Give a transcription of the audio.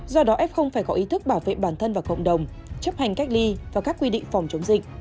do đó f phải có ý thức bảo vệ bản thân và cộng đồng chấp hành cách ly và các quy định phòng chống dịch